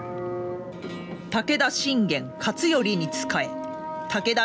武田信玄勝頼に仕え武田